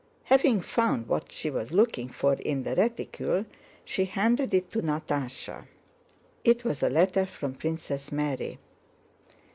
Having found what she was looking for in the reticule she handed it to Natásha. It was a letter from Princess Mary.